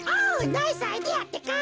ナイスアイデアってか。